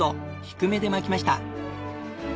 低めで巻きました。